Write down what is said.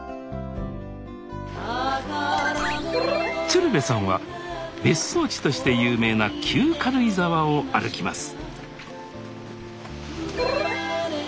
鶴瓶さんは別荘地として有名な旧軽井沢を歩きます